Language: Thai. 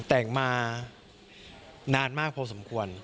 แต่งมานานมากพอสมควร